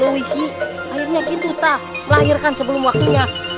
loiki akhirnya kita melahirkan sebelum waktunya